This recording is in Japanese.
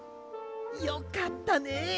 よかったね！